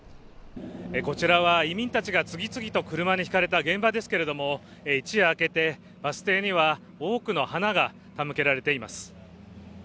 こちはは移民たちが次々と車にひかれた現場ですけれど一夜明けて、バス停には多くの花が手向けられています。